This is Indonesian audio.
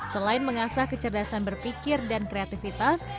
selain mengasah kecerdasan berpikir dan kreativitas